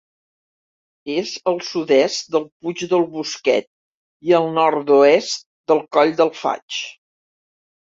És al sud-est del Puig del Bosquet i al nord-oest del Coll del Faig.